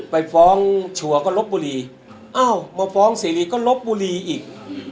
ไปฟ้องชัวร์ก็ลบบุรีอ้าวมาฟ้องเสรีก็ลบบุรีอีก